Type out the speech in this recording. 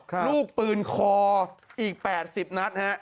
รูปืนคออีก๘๐นัท